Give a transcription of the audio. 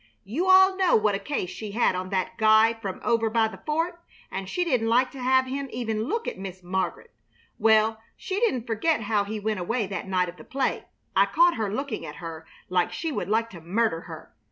You all know what a case she had on that guy from over by the fort; and she didn't like to have him even look at Miss Mar'get. Well, she didn't forget how he went away that night of the play. I caught her looking at her like she would like to murder her.